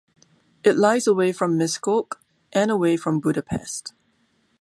It lies away from Miskolc, and away from Budapest.